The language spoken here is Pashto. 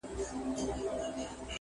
لکه پتڼ وزر مي وړمه د سره اور تر کلي.!